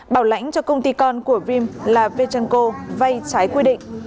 bảo lãnh cho công ty con của vrim là viettranko vay trái quy định